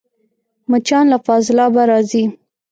مچان له فاضلابه راځي